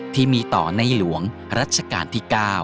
ที่มีต่อในหลวงรัชกาลที่๙